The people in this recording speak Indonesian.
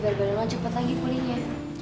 biar badan lo cepet lagi kulinya